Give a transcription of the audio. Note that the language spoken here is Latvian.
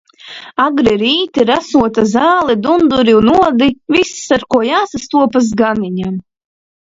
Agri rīti, rasota zāle, dunduri un odi - viss, ar ko jāsastopas ganiņam.